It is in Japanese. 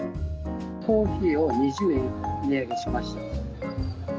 コーヒーを２０円値上げしました。